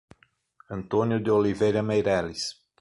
Antônio de Oliveira Meireles